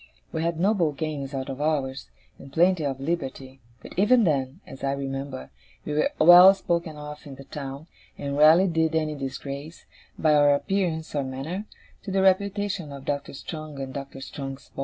We had noble games out of hours, and plenty of liberty; but even then, as I remember, we were well spoken of in the town, and rarely did any disgrace, by our appearance or manner, to the reputation of Doctor Strong and Doctor Strong's boys.